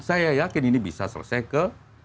saya yakin ini bisa selesai ke